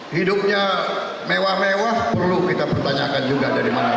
hidupnya mewah mewah perlu kita pertanyakan juga dari mana